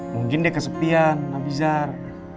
mungkin dia kesepian abizar